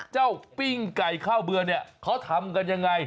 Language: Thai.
ปิ้งไก่ข้าวเบือเนี่ยเขาทำกันยังไง